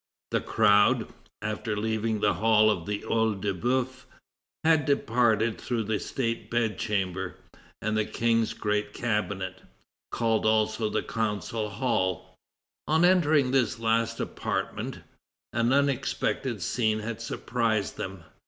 The crowd, after leaving the hall of the OEil de Boeuf, had departed through the State Bedchamber, and the King's Great Cabinet, called also the Council Hall. On entering this last apartment, an unexpected scene had surprised them.